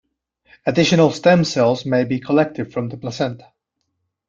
Additional stem cells may be collected from the placenta.